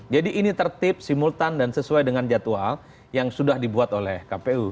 jadi ini tertib simultan dan sesuai dengan peraturan yang diikuti oleh pkp